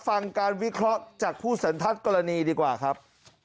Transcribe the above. ฟังการวิเคราะห์จากผู้สันทัศน์กรณีดีกว่าครับ